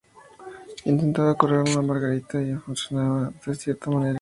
Intentaba curar a Margarita, y funcionaba de cierta manera.